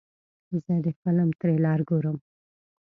زه د فلم تریلر ګورم.